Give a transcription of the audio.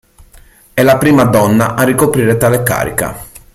È la prima donna a ricoprire tale carica.